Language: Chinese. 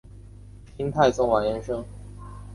金太宗完颜晟。